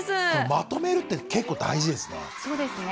まとめるって結構大事ですね。